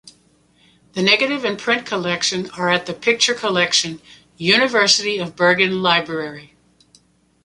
The negative and print collection are at The Picture Collection, University of Bergen Library.